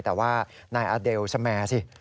แต่ว่านายอาเดลสแมร์สิ